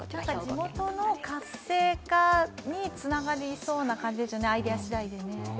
地元の活性化につながりそうな感じですよね、アイデアしだいで。